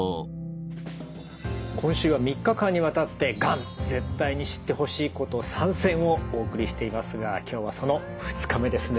今週は３日間にわたって「がん絶対に知ってほしいこと３選」をお送りしていますが今日はその２日目ですね。